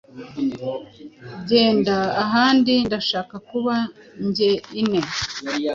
Genda ahandi. Ndashaka kuba jyeine